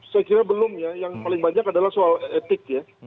saya kira belum ya yang paling banyak adalah soal etik ya